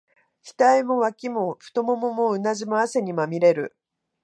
額も、脇も、太腿も、うなじも、汗にまみれる。